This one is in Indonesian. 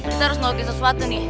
kita harus nolki sesuatu nih